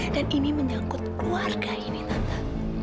dan ini menyangkut keluarga ini tante